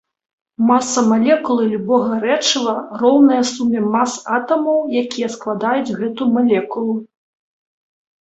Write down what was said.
Маса малекулы любога рэчыва роўная суме мас атамаў, якія складаюць гэтую малекулу.